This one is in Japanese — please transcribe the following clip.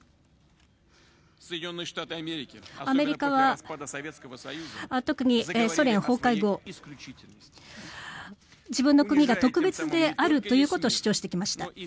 アメリカは特にソ連崩壊後自分の国が特別であるということを主張してきました。